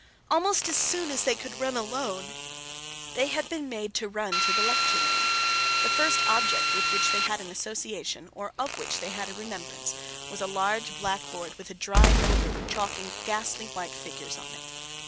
Almost as soon as they could run alone, they had been made to run to the lecture room. The first object with which they had an association, or of which they had a remembrance, was a large black board with a dry Ogre chalking ghastly white figures on it.